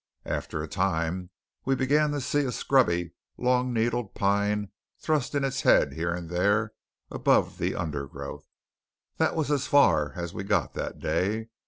After a time we began to see a scrubby long needled pine thrusting its head here and there above the undergrowth. That was as far as we got that day.